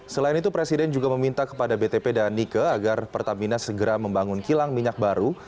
selain itu presiden juga meminta kepada btp dan nike agar pertamina segera membangun kilang minyak baru